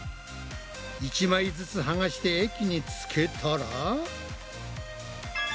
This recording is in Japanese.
１枚ずつはがして液につけたら。